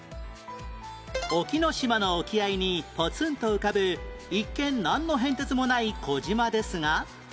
隠岐の島の沖合にポツンと浮かぶ一見なんの変哲もない小島ですが